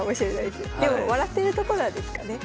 でも笑ってるとこなんですかね。